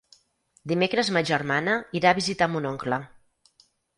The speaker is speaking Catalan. Dimecres ma germana irà a visitar mon oncle.